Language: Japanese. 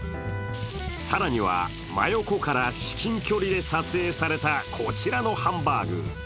更には、真横から至近距離で撮影されたこちらのハンバーグ。